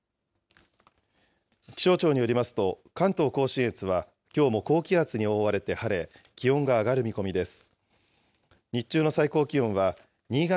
気象庁によりますと、関東甲信越はきょうも高気圧に覆われて晴れ、気温が上がる見込みです。